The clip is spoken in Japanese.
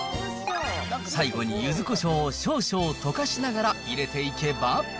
最後にゆずこしょうを少々溶かしながら入れていけば。